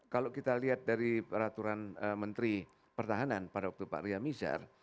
kalau kita lihat dari peraturan menteri pertahanan pada waktu pak ria mizar